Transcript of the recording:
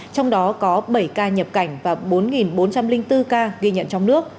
trong đó có bảy ca nhập cảnh và bốn bốn trăm linh bốn ca ghi nhận trong nước